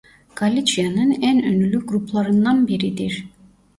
Galiçya'nın en ünlü gruplarından biridir.